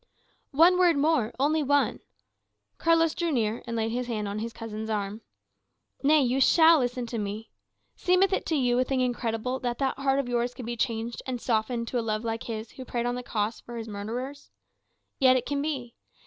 "One word more, only one." Carlos drew near and laid his hand on his cousin's arm. "Nay, you shall listen to me. Seemeth it to you a thing incredible that that heart of yours can be changed and softened to a love like His who prayed on the cross for his murderers? Yet it can be.